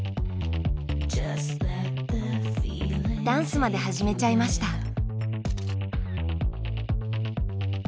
ダンスまで始めちゃいました。